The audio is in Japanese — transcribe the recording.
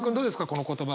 この言葉は。